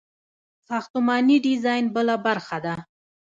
ساختماني ډیزاین بله برخه ده.